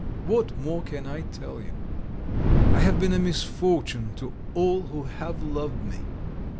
What more can I tell you? I have been a misfortune to all who have loved me.